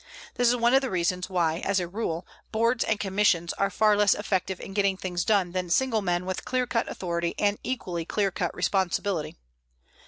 This is one of the reasons why, as a rule, boards and commissions are far less effective in getting things done than single men with clear cut authority and equally clear cut responsibility.